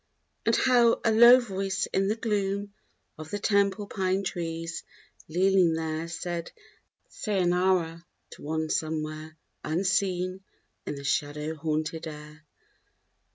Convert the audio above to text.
And how a low voice in the gloom Of the temple pine trees leaning there Said sayonara to one somewhere Unseen in the shadow haunted air?